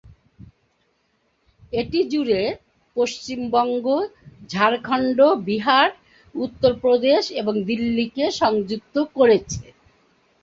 এটি জুড়ে, পশ্চিমবঙ্গ, ঝাড়খণ্ড, বিহার, উত্তরপ্রদেশ এবং দিল্লি-কে সংযুক্ত করেছে।